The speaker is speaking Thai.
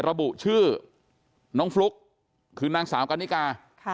ระบุชื่อน้องฟลุ๊กคือนางสาวกันนิกา